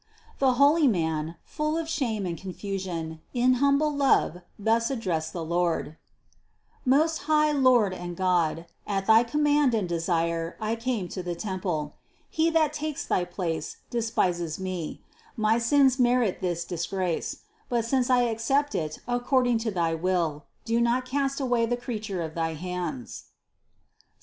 The holy man, full of shame and confusion, in humble love thus addressed the Lord: "Most high Lord and God, at thy command and desire I came to the temple ; he that takes thy place, despises me; my sins merit this disgrace; but since I accept it according to thy will, do not cast away the creature of thy hands" (Ps.